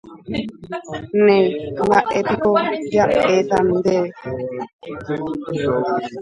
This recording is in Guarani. Néi, mba'épiko ja'éta ndéve.